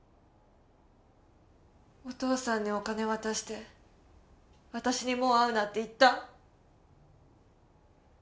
お父さんにお金渡して私にもう会うなって言った？